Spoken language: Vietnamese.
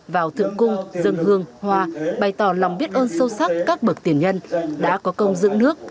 vào thượng cung dân hương hoa bày tỏ lòng biết ơn sâu sắc các bậc tiền nhân đã có công dựng nước